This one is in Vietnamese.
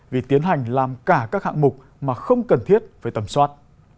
vì tiến hành làm cả các hạng mục mà không cần thiết với tầm soát